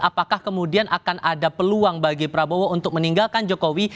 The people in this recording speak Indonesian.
apakah kemudian akan ada peluang bagi prabowo untuk meninggalkan jokowi